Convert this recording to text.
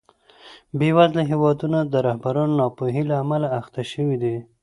بېوزله هېوادونه د رهبرانو ناپوهۍ له امله اخته شوي دي.